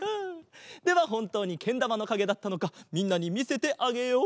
ではほんとうにけんだまのかげだったのかみんなにみせてあげよう。